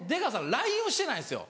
ＬＩＮＥをしてないんですよ。